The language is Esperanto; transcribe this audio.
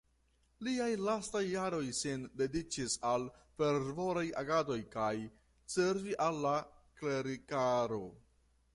Liaj lastaj jaroj sin dediĉis al fervoraj agadoj kaj servi al la klerikaro.